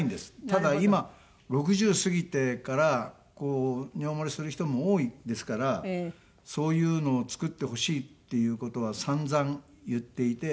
ただ今６０過ぎてからこう尿漏れする人も多いですからそういうのを作ってほしいっていう事は散々言っていて。